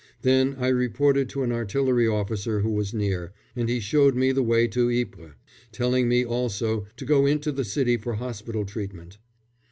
Then I reported to an artillery officer who was near, and he showed me the way to Ypres, telling me also to go into the city for hospital treatment.